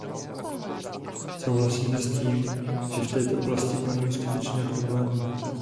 Souhlasíme s tím, že v této oblasti panují skutečné problémy.